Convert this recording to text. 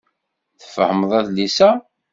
Tfehmeḍ adlis-a?